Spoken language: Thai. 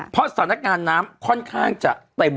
เพราะสถานการณ์น้ำค่อนข้างจะเต็ม